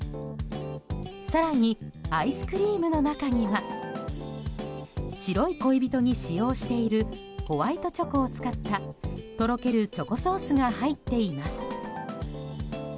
更にアイスクリームの中には白い恋人に使用しているホワイトチョコを使ったとろけるチョコソースが入っています。